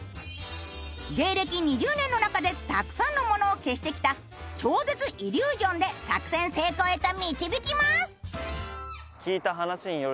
芸歴２０年の中でたくさんのものを消してきた超絶イリュージョンで作戦成功へと導きます。